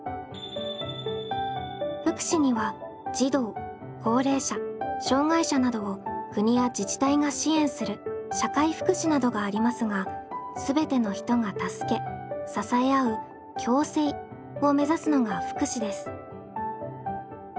福祉には児童高齢者障害者などを国や自治体が支援する社会福祉などがありますがすべての人が助け支え合う「共生」を目指すのが福祉です。